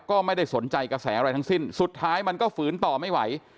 ก็ไม่ได้สนใจกระแสอะไรทั้งสิ้นสุดท้ายมันก็ฝืนต่อไม่ไหว